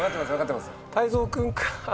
泰造君かぁ。